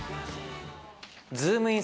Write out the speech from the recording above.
ズームイン！！